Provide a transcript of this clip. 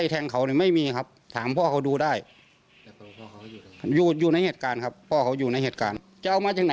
พ่อเขาว่าไม่คุยเท่านั้น